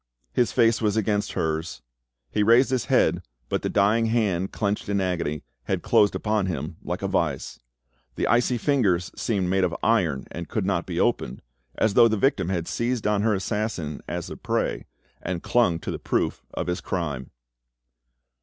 His face was against hers; he raised his head, but the dying hand, clenched in agony, had closed upon him like a vise. The icy fingers seemed made of iron and could not be opened, as though the victim had seized on her assassin as a prey, and clung to the proof of his crime.